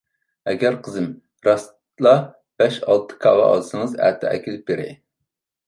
ئەگەر قىزىم راستلا بەش-ئالتە كاۋا ئالسىڭىز ئەتە ئەكېلىپ بېرەي.